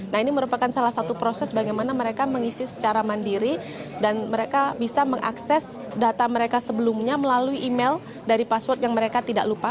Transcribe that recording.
nah ini merupakan salah satu proses bagaimana mereka mengisi secara mandiri dan mereka bisa mengakses data mereka sebelumnya melalui email dari password yang mereka tidak lupa